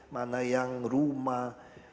mana yang rumah